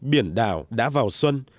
biển đảo đã vào xuân